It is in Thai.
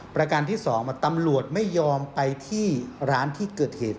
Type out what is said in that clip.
ประการที่๒ตำรวจไม่ยอมไปที่ร้านที่เกิดเหตุ